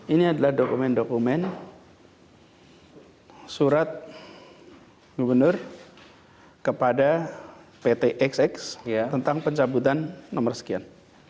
ini adalah dokumen dokumen surat gubernur kepada pt xx tentang pencabutan nomor sekian